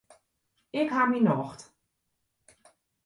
Ik ha myn nocht.